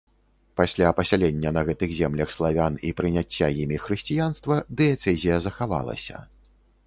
Пасля пасялення на гэтых землях славян і прыняцця імі хрысціянства дыяцэзія захавалася.